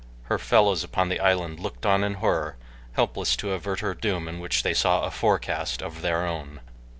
Her fellows upon the island looked on in horror, helpless to avert her doom in which they saw a forecast of their own.